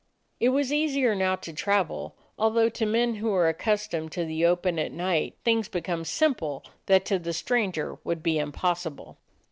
It was easier now to travel, although, to men who are accus tomed to the open at night, things become sim ple that to the stranger would be impossible.